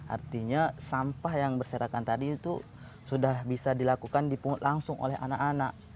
artinya sampah yang berserakan tadi itu sudah bisa dilakukan dipungut langsung oleh anak anak